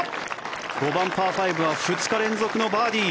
５番、パー５は２日連続のバーディー。